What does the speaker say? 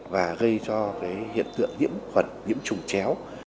và gây cho hiện tượng nhiễm khuẩn nhiễm trùng chéo